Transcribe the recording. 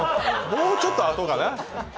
もうちょっとあとかな。